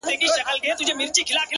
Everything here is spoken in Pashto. زما کور ته چي راسي زه پر کور يمه”